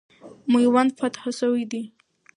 میوند فتح سوی دی.